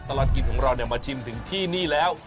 ตลอดกินของเรามาชิมถึงที่นี่แล้ว